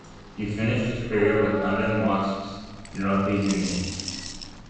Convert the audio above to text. He finished his career with London Wasps in rugby union.